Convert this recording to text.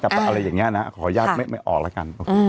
อะไรอย่างนี้นะขออนุญาตไม่ออกแล้วกัน